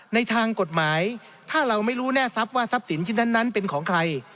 ในทางกฎหมายถ้าเราไม่รู้แน่ทรัพย์ว่าทรัพย์สินชิ้นนั้นเป็นของใคร